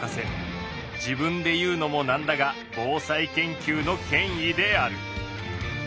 自分で言うのも何だが防災研究の権威である。